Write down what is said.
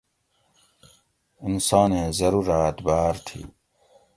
انسانیں ضروراۤت باۤر تھی